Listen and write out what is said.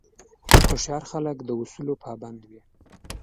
هوښیار خلک د اصولو پابند وي.